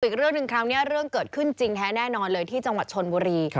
อีกเรื่องหนึ่งคราวนี้เรื่องเกิดขึ้นจริงแท้แน่นอนเลยที่จังหวัดชนบุรี